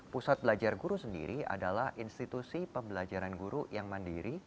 pusat belajar guru sendiri adalah institusi pembelajaran guru yang mandiri